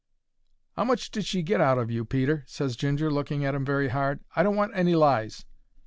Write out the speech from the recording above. "'Ow much did she get out of you, Peter?" ses Ginger, looking at 'im very hard. "I don't want any lies."